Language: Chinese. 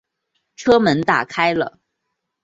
车门打开了